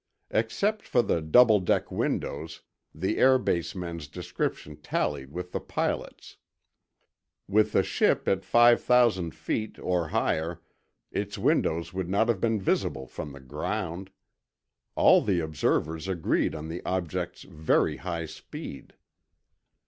Except for the double deck windows, the air base men's description tallied with the pilots'. With the ship at five thousand feet or higher, its windows would not have been visible from the ground. All the observers agreed on the object's very high speed.